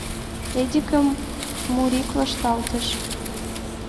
Эдикым Мурик вашталтыш.